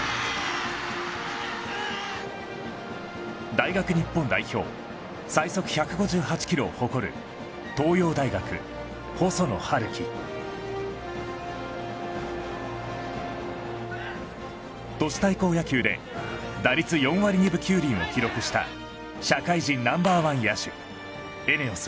大学日本代表最速１５８キロを誇る都市対抗野球で打率４割２分９厘を記録した社会人Ｎｏ．１野手ＥＮＥＯＳ